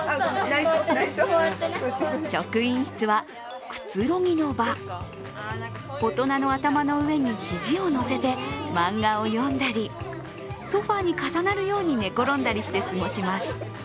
大人の頭の上に肘をのせて漫画を読んだりソファーに重なるように寝転んだりして過ごします。